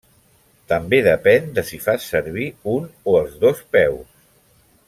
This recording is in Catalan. També depèn de si fas servir un o els dos peus.